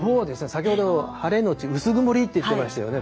先ほど晴れのち薄曇りって言ってましたよね。